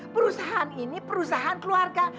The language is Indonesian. perusahaan ini perusahaan keluarga